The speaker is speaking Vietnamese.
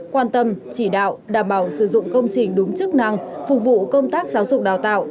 quan tâm chỉ đạo đảm bảo sử dụng công trình đúng chức năng phục vụ công tác giáo dục đào tạo